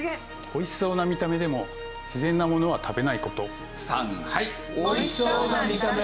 おいしそうな見た目でも自然のものは食べないこと！